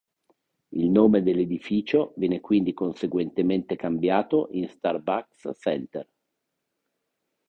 Il nome dell'edificio viene quindi conseguentemente cambiato in Starbucks Center.